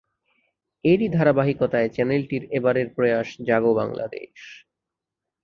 এরই ধারাবাহিকতায় চ্যানেলটির এবারের প্রয়াস জাগো বাংলাদেশ।